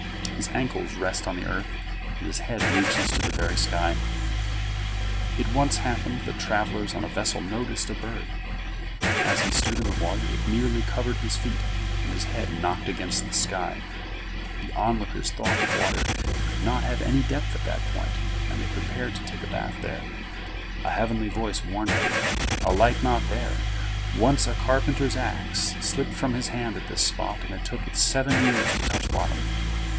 His ankles rest on the earth, and his head reaches to the very sky. It once happened that travellers on a vessel noticed a bird. As he stood in the water, it merely covered his feet, and his head knocked against the sky. The onlookers thought the water could not have any depth at that point, and they prepared to take a bath there. A heavenly voice warned them: "Alight not here! Once a carpenter's axe slipped from his hand at this spot, and it took it seven years to touch bottom."